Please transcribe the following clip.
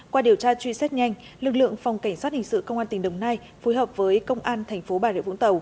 qua điều tra truy xét nhanh lực lượng phòng kỳ sát hình sự công an tỉnh đồng nai vừa phối hợp với công an tp hcm